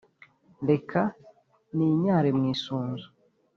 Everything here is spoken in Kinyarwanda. reka ninyare mu isunzu